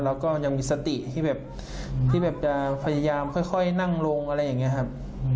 แล้วก็ยังมีสติที่แบบที่แบบจะพยายามค่อยนั่งลงอะไรอย่างนี้ครับ